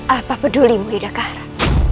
apa pedulimu yudhakara